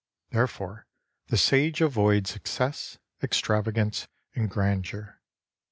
Therefore the Sage avoids excess, extravagance, and grandeur.